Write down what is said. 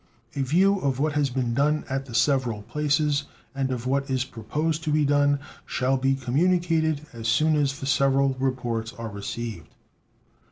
A view of what has been done at the several places, and of what is proposed to be done, shall be communicated as soon as the several reports are received.